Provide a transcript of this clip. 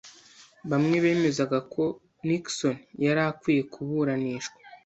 Bamwe bemezaga ko Nixon yari akwiye kuburanishwa.